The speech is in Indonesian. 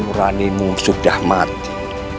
meranimu sudah mati